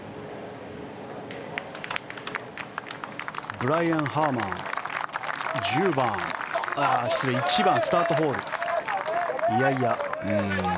ブライアン・ハーマン１番、スタートホール。